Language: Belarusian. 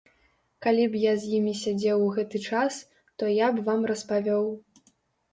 Калі б я з імі сядзеў у гэты час, то я б вам распавёў.